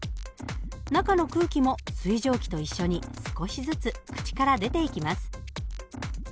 中の空気も水蒸気と一緒に少しずつ口から出ていきます。